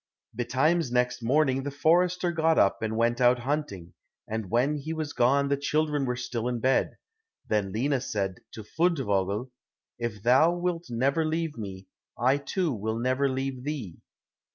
Betimes next morning the forester got up and went out hunting, and when he was gone the children were still in bed. Then Lina said to Fundevogel, "If thou wilt never leave me, I too will never leave thee."